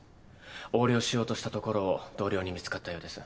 横領しようとしたところを同僚に見つかったようです。